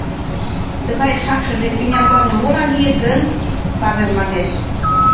— Тыгай шакшыже тӱнямбалне молан лийыт гын? — Павел манеш.